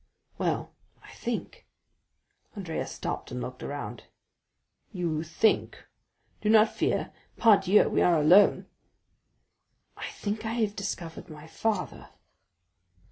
"Well, I think——" Andrea stopped and looked around. "You think? Do not fear; pardieu! we are alone." "I think I have discovered my father."